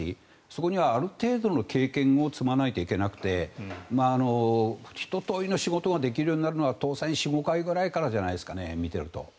そこにはある程度の経験を積まないといけなくてひととおりの仕事ができるようになるのは当選４５回ぐらいからじゃないですかね、見ていると。